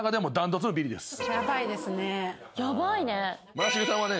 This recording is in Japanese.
村重さんはね